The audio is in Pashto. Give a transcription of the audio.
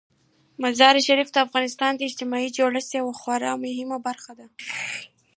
مزارشریف د افغانستان د اجتماعي جوړښت یوه خورا مهمه برخه ده.